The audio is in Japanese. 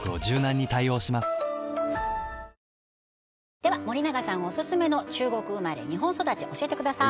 では森永さんオススメの中国生まれ日本育ち教えてください